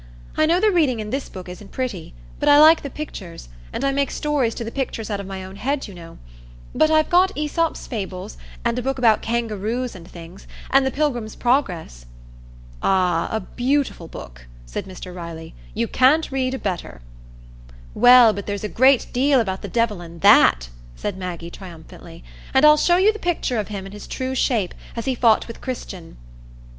"I know the reading in this book isn't pretty; but I like the pictures, and I make stories to the pictures out of my own head, you know. But I've got 'Æsop's Fables,' and a book about Kangaroos and things, and the 'Pilgrim's Progress....'" "Ah, a beautiful book," said Mr Riley; "you can't read a better." "Well, but there's a great deal about the Devil in that," said Maggie, triumphantly, "and I'll show you the picture of him in his true shape, as he fought with Christian."